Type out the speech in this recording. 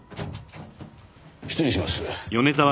失礼します。